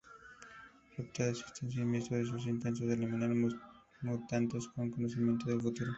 Riptide asiste a Siniestro en sus intentos de eliminar mutantes con conocimiento del futuro.